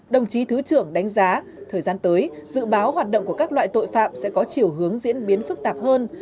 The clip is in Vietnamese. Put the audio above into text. đồng chí thứ trưởng đánh giá thời gian tới dự báo hoạt động của các loại tội phạm sẽ có chiều hướng diễn biến phức tạp hơn